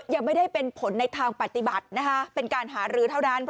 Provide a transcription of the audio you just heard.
ยังไม่ได้เป็นผลในทางปฏิบัตินะคะเป็นการหารือเท่านั้น